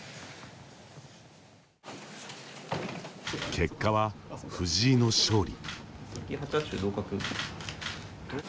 結果は藤井の勝利。